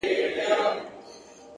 د حقیقت رڼا پټېدلی نه شي.!